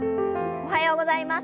おはようございます。